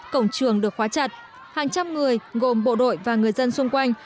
cổng trường được khóa chặt hàng trăm người gồm bộ đội và người dân xung quanh